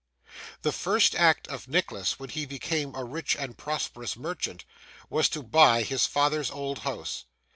The first act of Nicholas, when he became a rich and prosperous merchant, was to buy his father's old house.